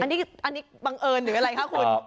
อันนี้บังเอิญหรืออะไรคะคุณ